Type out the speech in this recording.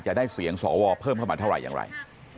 จะได้เสียงสวเพิ่มเข้ามาเท่าไหร่อย่างไร